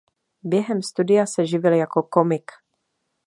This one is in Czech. Během studia se živil jako komik.